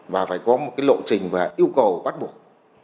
và phải có một cái lộ trình và yêu cầu bắt buộc